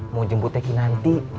mau jemput teh hinanti